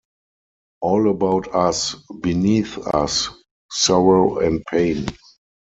All about us, beneath us, sorrow and pain.